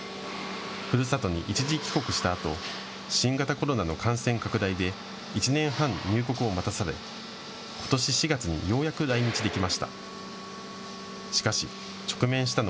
ふるさとに一時帰国したあと新型コロナの感染拡大で１年半入国を待たされことし４月にようやく来日できました。